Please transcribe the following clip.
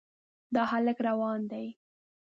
دا هلک روان دی.